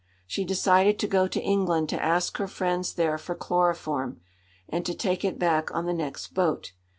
She decided to go to England to ask her friends there for chloroform, and to take it back on the next boat.